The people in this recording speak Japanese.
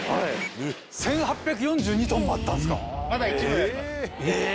１８４２ｔもあったんすか？